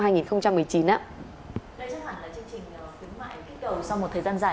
đây chắc hẳn là chương trình tuyến mại kích đầu sau một thời gian dài